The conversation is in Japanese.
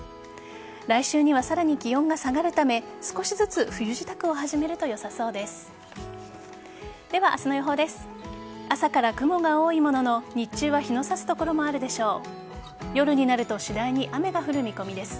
来週にはさらに気温が下がるため少しずつ冬支度を始めるとよさそうです。